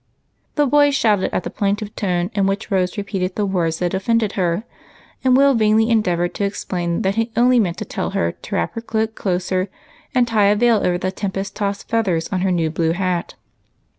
" The boys shouted at the plaintive tone in which Rose repeated the words that offended her, and Will vainly endeavored to explain that he only meant to tell her to wrap her cloak closer, and tie a veil over the tempest tossed feathers in her hat.